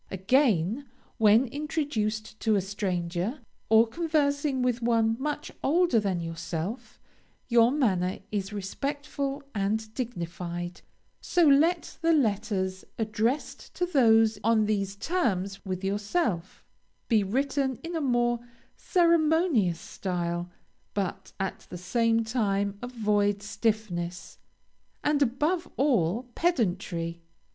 Again, when introduced to a stranger, or conversing with one much older than yourself, your manner is respectful and dignified; so let the letters addressed to those on these terms with yourself, be written in a more ceremonious style, but at the same time avoid stiffness, and above all, pedantry.